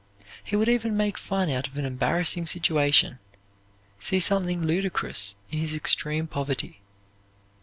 He would even make fun out of an embarrassing situation, see something ludicrous in his extreme poverty.